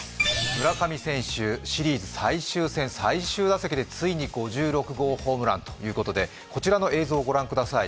村上選手、シリーズ最終戦最終打席で、ついに５６号ホームランということでこちらの映像ご覧ください。